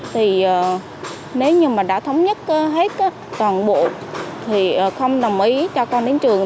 thì nếu như mà đã thống nhất hết toàn bộ thì không đồng ý cho con đến trường